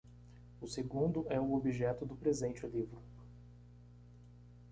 O segundo é o objeto do presente livro.